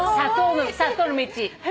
砂糖の道。